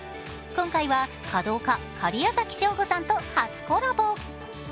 今回は華道家・假屋崎省吾さんと初コラボ。